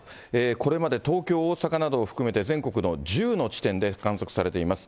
これまで東京、大阪などを含めて全国の１０の地点で観測されています。